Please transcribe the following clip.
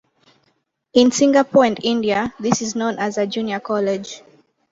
In Singapore and India, this is known as a junior college.